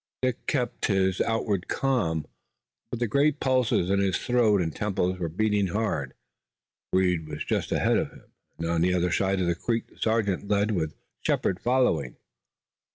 Dick kept his outward calm, but the great pulses in his throat and temples were beating hard. Reed was just ahead of him, and on the other side of the creek the sergeant led, with Shepard following.